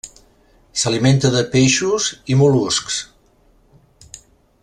S'alimenta de peixos i mol·luscs.